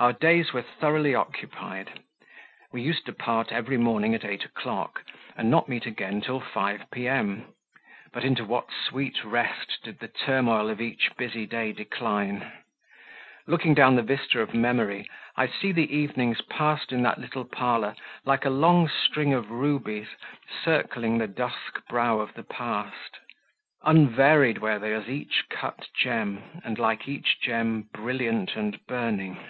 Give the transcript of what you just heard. Our days were thoroughly occupied; we used to part every morning at eight o'clock, and not meet again till five P.M.; but into what sweet rest did the turmoil of each busy day decline! Looking down the vista of memory, I see the evenings passed in that little parlour like a long string of rubies circling the dusky brow of the past. Unvaried were they as each cut gem, and like each gem brilliant and burning.